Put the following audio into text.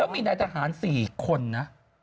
แล้วมีนายทหาร๔คนน่ะ